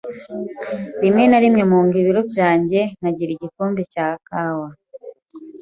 Rimwe na rimwe mpunga ibiro byanjye nkagira igikombe cya kawa.